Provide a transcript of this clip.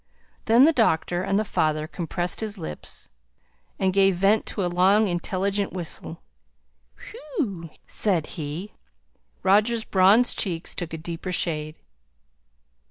Then the doctor and the father compressed his lips and gave vent to a long intelligent whistle. "Whew!" said he. Roger's bronzed cheeks took a deeper shade.